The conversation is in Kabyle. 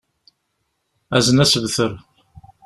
Azen asebter.